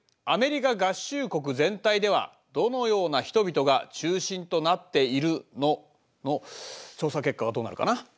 アメリカ合衆国全体ではどのような人々が中心となっているの？」の調査結果はどうなるかな？